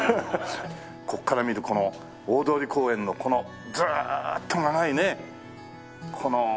ここから見るこの大通公園のずーっと長いねこの。